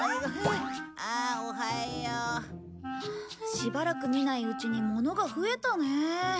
しばらく見ないうちに物が増えたね。